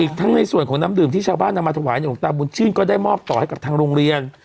ทั้งในส่วนของน้ำดื่มที่ชาวบ้านนำมาถวายเนี่ยหลวงตาบุญชื่นก็ได้มอบต่อให้กับทางโรงเรียน